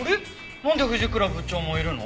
なんで藤倉部長もいるの？